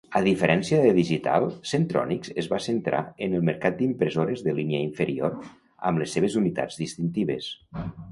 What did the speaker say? A diferència de Digital, Centronics es va centrar en el mercat d"impressores de línia inferior amb les seves unitats distintives.